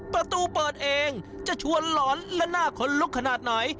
ประตูเปิดเองจะชวนหลอนและหน้าขนลุกขนาดไหน